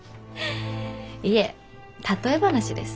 いえ例え話です。